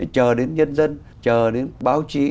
chờ đến nhân dân chờ đến báo chí